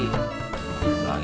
enak tidur kamu